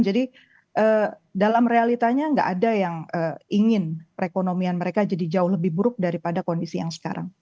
jadi dalam realitanya nggak ada yang ingin perekonomian mereka jadi jauh lebih buruk daripada kondisi yang sekarang